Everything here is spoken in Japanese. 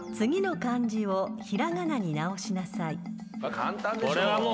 簡単でしょう。